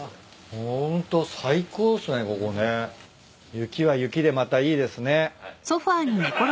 雪は雪でまたいいですね。